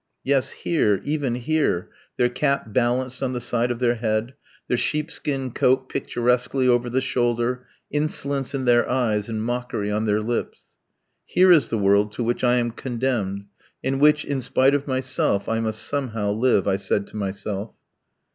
Yes, here, even here! their cap balanced on the side of their head, their sheepskin coat picturesquely over the shoulder, insolence in their eyes and mockery on their lips. "Here is the world to which I am condemned, in which, in spite of myself, I must somehow live," I said to myself.